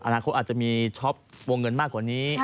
อาจจะมีช็อปวงเงินมากกว่านี้